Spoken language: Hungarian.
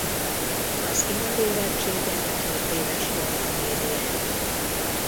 Az ivarérettséget kétéves korban éri el.